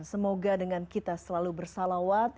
semoga dengan kita selalu bersalawat